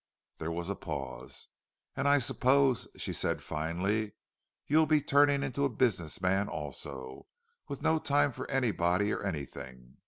There was a pause. "And I suppose," she said finally, "you'll be turning into a business man also—with no time for anybody or anything.